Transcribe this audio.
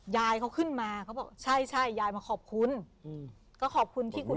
ยายเขาขึ้นมาเขาบอกใช่ใช่ยายมาขอบคุณอืมก็ขอบคุณที่คุณ